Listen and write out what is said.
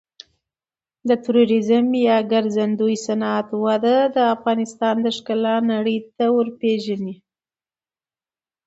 د توریزم یا ګرځندوی صنعت وده د افغانستان ښکلا نړۍ ته ورپیژني.